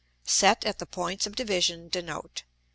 set at the Points of Division denote.